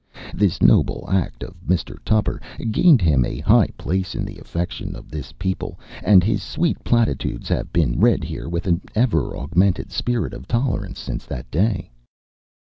This noble act of Mr. Tupper gained him a high place in the affection of this people, and his sweet platitudes have been read here with an ever augmented spirit of tolerance since that day.